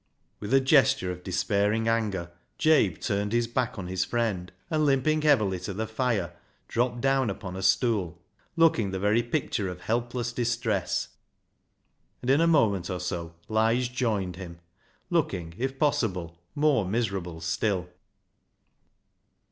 " With a gesture of despairing anger, Jabe turned his back on his friend, and Hmping heavily to the fire, dropped down upon a stool, looking the very joicture of helpless distress, and in a moment or so Lige joined him, looking if possible more miserable still.